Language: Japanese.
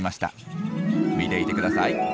見ていてください。